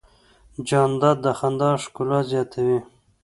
جانداد د خندا ښکلا زیاتوي.